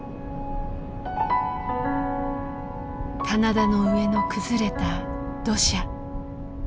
棚田の上の崩れた土砂。